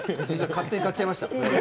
勝手に買っちゃいました。